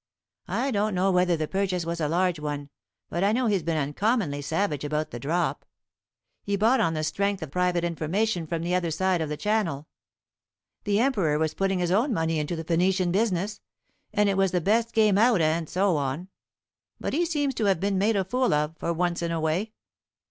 I don't know whether the purchase was a large one, but I know he's been uncommonly savage about the drop. He bought on the strength of private information from the other side of the Channel. The Emperor was putting his own money into the Phoenician business, and it was the best game out, and so on. But he seems to have been made a fool of, for once in a way."